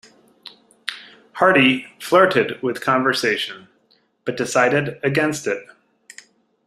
Hardy flirted with conversion, but decided against it.